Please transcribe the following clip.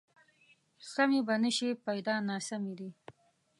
سمې به نه شي، پیدا ناسمې دي